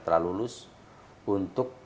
telah lulus untuk